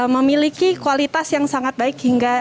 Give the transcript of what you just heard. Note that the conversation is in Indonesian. memiliki kualitas yang sangat baik hingga